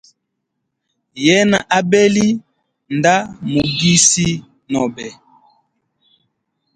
Yena abeli nda mugisi nobe.